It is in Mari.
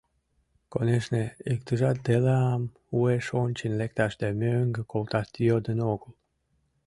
Конешне, иктыжат делам уэш ончен лекташ да мӧҥгӧ колташ йодын огыл.